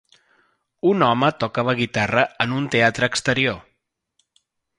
Un home toca la guitarra en un teatre exterior.